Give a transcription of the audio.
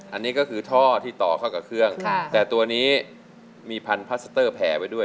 อันนี้ก็คือท่อที่ต่อเข้ากับเครื่องแต่ตัวนี้มีพันธัสเตอร์แผ่ไว้ด้วย